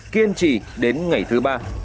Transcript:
kiên trì đến ngày thứ ba